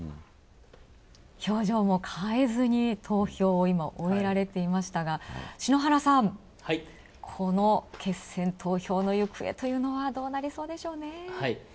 表情も変えずに投票を終えられていましたが篠原さん、この決選投票の行方というのはどうなりそうでしょうね？